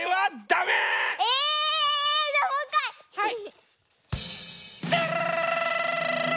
はい！